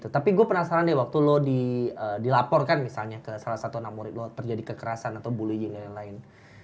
tapi gue penasaran deh waktu lo dilaporkan misalnya ke salah satu anak murid lo terjadi kekerasan atau bullying dan lain lain